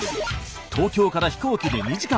東京から飛行機で２時間。